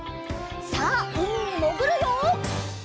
さあうみにもぐるよ！